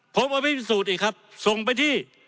ผมเอาไปพิสูจน์อีกครับส่งไปที่